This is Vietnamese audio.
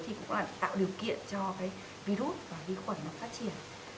thì cũng là tạo điều kiện cho cái vi khuẩn và vi khuẩn nó phát triển